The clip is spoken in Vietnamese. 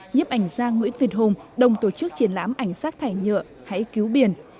nhiếp ảnh gia nguyễn việt hùng đồng tổ chức triển lãm ảnh sát thải nhựa hãy cứu biển